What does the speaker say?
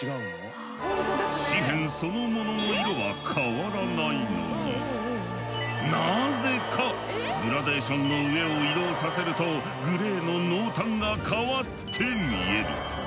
紙片そのものの色は変わらないのになぜかグラデーションの上を移動させるとグレーの濃淡が変わって見える。